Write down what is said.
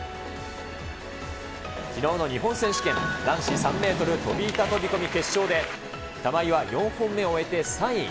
きのうの日本選手権男子３メートル飛板飛込決勝で、玉井は４本目を終えて３位。